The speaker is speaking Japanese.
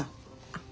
あっ。